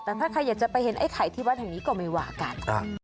แต่ถ้าใครอยากจะไปเห็นไอ้ไข่ที่วัดแห่งนี้ก็ไม่ว่ากัน